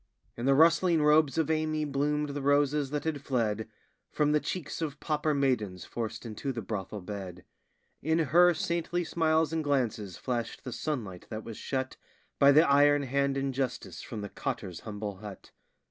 In the rustling robes of Amy bloomed the roses that had fled From the cheeks of pauper maidens forced into the brothel bed; In her saintly smiles and glances flashed the sunlight that was shut By the iron hand injustice from the cotter's humble hut.